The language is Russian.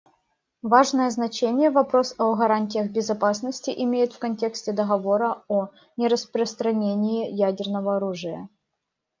Важное значение вопрос о гарантиях безопасности имеет в контексте Договора о нераспространении ядерного оружия.